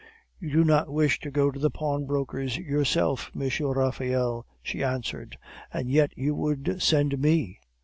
"'You do not wish to go to the pawnbroker's yourself, M. Raphael,' she answered, 'and yet you would send me!